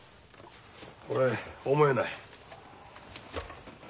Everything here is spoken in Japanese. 俺思えない。